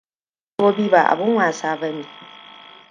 Dabbobi ba abin wasa ba ne!